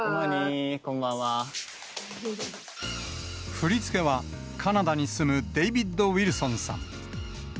振り付けは、カナダに住むデイビッド・ウィルソンさん。